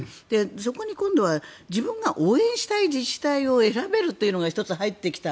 そこに今度は自分が応援したい自治体を選べるというのが１つ、入ってきた。